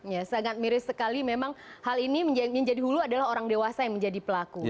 ya sangat miris sekali memang hal ini menjadi hulu adalah orang dewasa yang menjadi pelaku